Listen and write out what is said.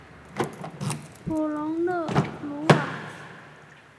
普龙勒鲁瓦。